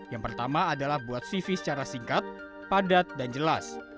yang pertama adalah buat cv secara singkat padat dan jelas